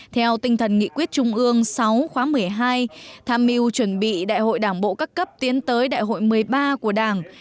theo tinh thần nghị quyết trung ương sáu khóa một mươi hai tham mưu chuẩn bị đại hội đảng bộ các cấp tiến tới đại hội một mươi ba của đảng